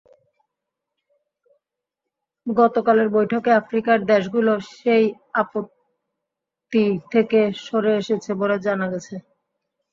গতকালের বৈঠকে আফ্রিকার দেশগুলো সেই আপত্তি থেকে সরে এসেছে বলে জানা গেছে।